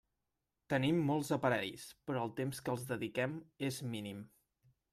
Tenim molts aparells, però el temps que els dediquem és mínim.